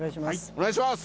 お願いします！